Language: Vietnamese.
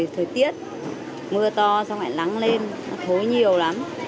thời tiết mưa to xong lại lắng lên thối nhiều lắm